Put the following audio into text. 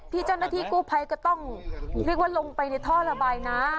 เจ้าหน้าที่กู้ภัยก็ต้องเรียกว่าลงไปในท่อระบายน้ำ